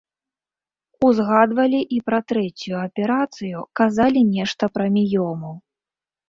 Узгадвалі і пра трэцюю аперацыю, казалі нешта пра міёму.